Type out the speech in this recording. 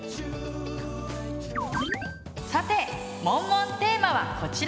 さてモンモンテーマはこちら！